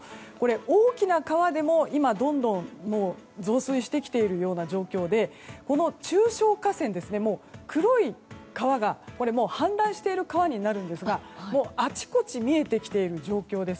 大きな川でも今、どんどん増水してきているような状況で中小河川ですね、黒い川がもう氾濫している川になりますがあちこち見えてきている状況です。